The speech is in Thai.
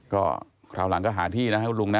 ก็คราวหลังก็หาที่นะให้คุณลุงนะ